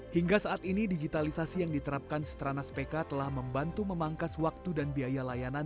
hingga saat ini digitalisasi yang diterapkan stranas pk telah membantu memangkas waktu dan biaya layanan